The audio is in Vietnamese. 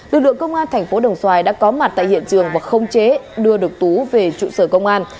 lực lượng công an thành phố đồng xoài đã có mặt tại hiện trường và không chế đưa được tú về trụ sở công an